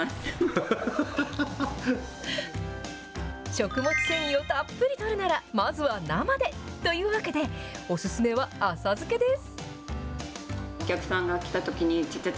食物繊維をたっぷりとるなら、まずは生でというわけで、お勧めは浅漬けです。